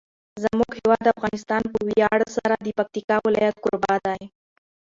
زموږ هیواد افغانستان په ویاړ سره د پکتیکا ولایت کوربه دی.